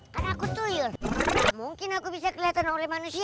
kan aku tuyul mungkin aku bisa kelihatan oleh manusia